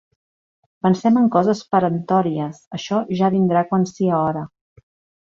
Pensem en coses perentories; això ja vindrà quan sia hora.